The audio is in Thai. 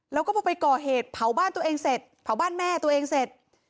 แล้วก็พอไปก่อเหตุเผาบ้านตัวเองเสร็จเผาบ้านแม่ตัวเองเสร็จ